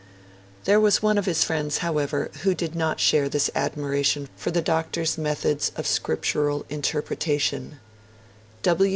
There was one of his friends, however, who did not share this admiration for the Doctor's methods of Scriptural interpretation.